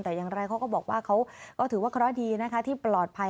แต่อย่างไรเขาก็บอกว่าเขาก็ถือว่าเคราะห์ดีนะคะที่ปลอดภัย